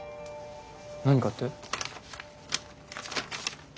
何かって？